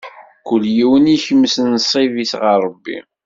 Kul yiwen ikmes nnṣib-is ɣeṛ Ṛebbi.